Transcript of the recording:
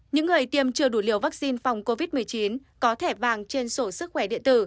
những người tiêm chưa đủ liều vaccine phòng covid một mươi chín có thẻ vàng trên sổ sức khỏe điện tử